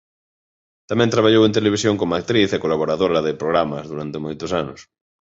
Tamén traballou en televisión como actriz e colaboradora de programas durante moitos anos.